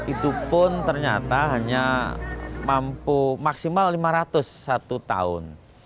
itu pun ternyata hanya mampu maksimal lima ratus satu tahun